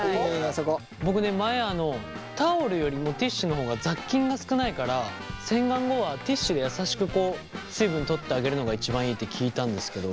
僕ね前タオルよりもティッシュの方が雑菌が少ないから洗顔後はティッシュで優しく水分取ってあげるのが一番いいって聞いたんですけど。